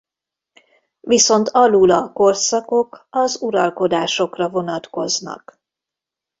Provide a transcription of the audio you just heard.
Viszont alul a korszakok az uralkodásokra vonatkoznak.